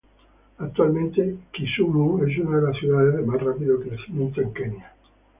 Actualmente, Kisumu es una de las ciudades de más rápido crecimiento en Kenia.